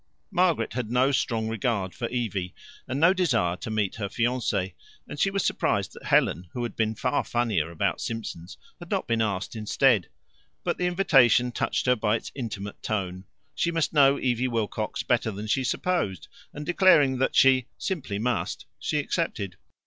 Margaret had no strong regard for Evie, and no desire to meet her fiance, and she was surprised that Helen, who had been far funnier about Simpson's, had not been asked instead. But the invitation touched her by its intimate tone. She must know Evie Wilcox better than she supposed, and declaring that she "simply must," she accepted.